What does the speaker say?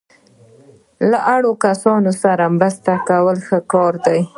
له اړو کسانو سره مرسته کول ښه کار دی.